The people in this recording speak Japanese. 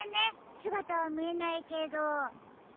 すがたはみえないけど。